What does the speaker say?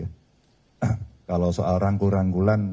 nah kalau soal rangkul rangkulan